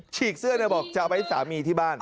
ฉีกเสื้อแบบว่าจะเอาไปที่สามีที่บ้าน